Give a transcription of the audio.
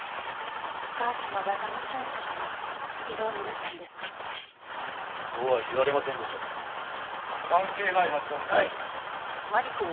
お母様がだまされたから異動になったんですか？とは言われませんでしたが関係ないはずがない！